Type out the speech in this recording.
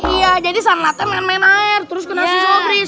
iya jadi sanlatnya main main air terus kena sisi opris